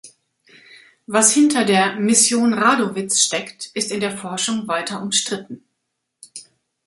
Was hinter der "Mission Radowitz" steckt, ist in der Forschung weiter umstritten.